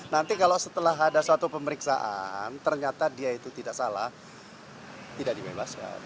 nanti kalau setelah ada suatu pemeriksaan ternyata dia itu tidak salah tidak dibebaskan